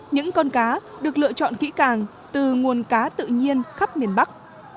những con cá được lựa chọn kỹ càng từ nguồn cá tự nhiên khắp miền bắc